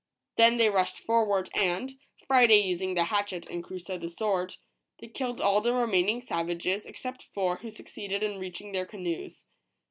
Then they rushed forward, and, Friday using the hatchet and Crusoe the sword, they killed all the remaining savages, except four who succeeded in reaching their canoes.